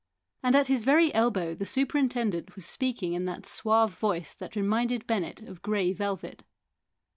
And at his very elbow the superintendent was speaking in that suave voice that reminded Bennett of grey velvet.